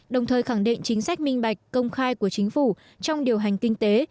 đồng thời khẳng định chính sách minh bạch công khai của chính phủ trong điều hành kinh tế